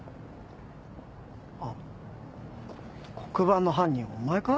あっ黒板の犯人お前か？